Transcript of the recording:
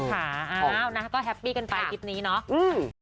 ผมขาอ้าวนะก็แฮปปี้กันไปคลิปนี้เนาะอืม